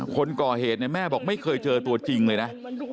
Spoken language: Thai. คนก่อเหตุเนี่ยแม่บอกไม่เคยเจอตัวจริงเลยนะ